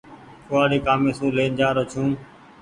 ڪوُوآڙي ڪآمي سون لين جآرو ڇون ۔